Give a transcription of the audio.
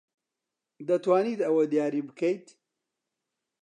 دەتوانیت ئەوە دیاری بکەیت؟